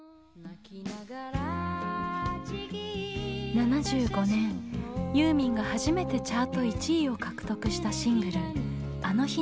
７５年ユーミンが初めてチャート１位を獲得したシングル「あの日にかえりたい」。